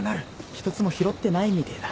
一つも拾ってないみてえだ。